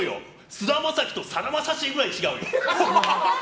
菅田将暉とさだまさしくらい違うよ。